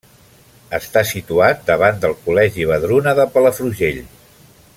Està situat davant del Col·legi Vedruna de Palafrugell.